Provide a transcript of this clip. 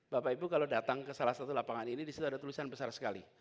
bapak ibu kalau datang ke salah satu lapangan ini disitu ada tulisan besar sekali